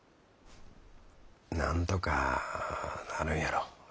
なんとかなるんやろ。